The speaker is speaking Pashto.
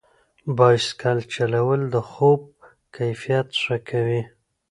بایسکل چلول د خوب کیفیت ښه کوي.